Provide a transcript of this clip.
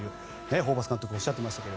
ホーバス監督おっしゃっていましたが。